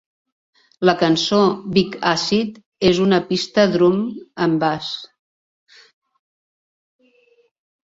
La cançó "Vic Acid" és una pista drum and bass.